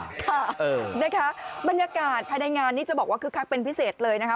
ค่ะนะคะบรรยากาศภายในงานนี้จะบอกว่าคึกคักเป็นพิเศษเลยนะคะ